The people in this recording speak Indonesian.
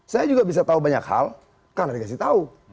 saya juga bisa tahu banyak hal karena dikasih tahu